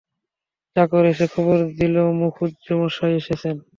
চাকর এসে খবর দিলে মুখুজ্যেমশায় এসেছেন।